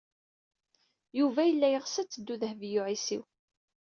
Yuba yella teɣs ad teddu Dehbiya u Ɛisiw.